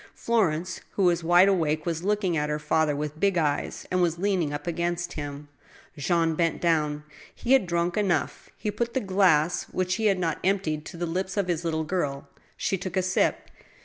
Florence, who was wide awake, was looking at her father with big eyes, and was leaning up against him. Jean bent down. He had drunk enough. He put the glass* which he had not emptied, to the lips of his little girl. She took a sip.